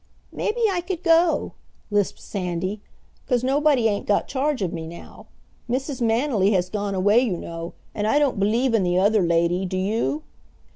"Maybe I could go," lisped Sandy, "'cause nobody ain't got charge of me now. Mrs. Manily has gone away, you know, and I don't b'lieve in the other lady, do you?"